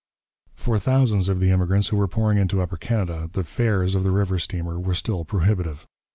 For thousands of the immigrants who were pouring into Upper Canada the fares of the river steamer were still prohibitive.